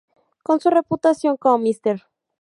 Con su reputación como "Mr.